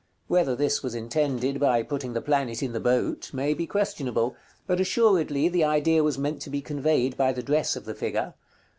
Whether this was intended by putting the planet in the boat, may be questionable, but assuredly the idea was meant to be conveyed by the dress of the figure.